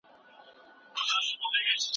ځیني څېړونکي د کتابتون څېړني ته ترجیح ورکوي.